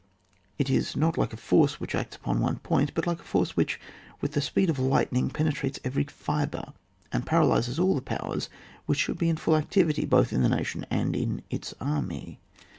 It is not like a force which acts upon one point : but like a force which, with the speed of lightning, pene trates every fibre, and paralyses all the powers which should be in full activity, both in a nation and in its army.